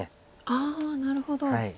ああなるほど。